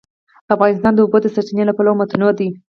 افغانستان د د اوبو سرچینې له پلوه متنوع دی.